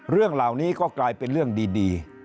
เรื่องเหล่านี้ก็กลายเป็นเรื่องดี